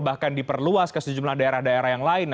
bahkan diperluas ke sejumlah daerah daerah yang lain